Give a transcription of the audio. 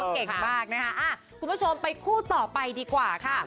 เก่งมากนะคะคุณผู้ชมไปคู่ต่อไปดีกว่าค่ะ